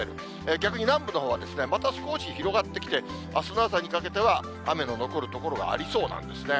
逆に南部のほうは、また少し広がってきて、あすの朝にかけては雨の残る所がありそうなんですね。